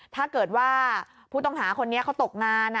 ถ้าเกิดว่าผู้ต้องหาคนนี้เขาตกงาน